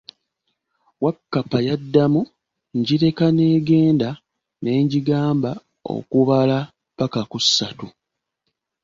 Wakkapa yaddamu, njireka n'egenda ne njigamba okubala pakka ku ssatu.